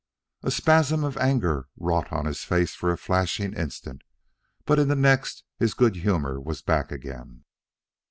A spasm of anger wrought on his face for a flashing instant, but in the next his good humor was back again.